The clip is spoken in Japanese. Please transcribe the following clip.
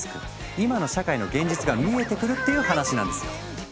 今の社会の現実が見えてくる！っていう話なんですよ。